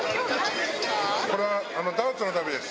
これは、ダーツの旅です。